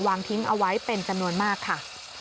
วางทิ้งเอาไว้เป็นจำนวนมากค่ะ